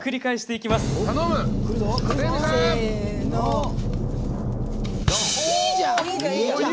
いいじゃん！